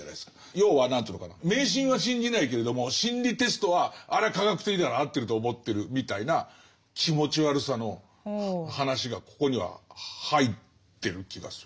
要は何ていうのかな迷信は信じないけれども心理テストはあれは科学的だから合ってると思ってるみたいな気持ち悪さの話がここには入ってる気がする。